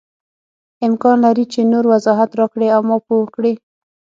امکان لري چې نور وضاحت راکړې او ما پوه کړې.